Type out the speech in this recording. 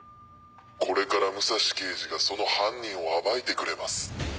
これから武蔵刑事がその犯人を暴いてくれます。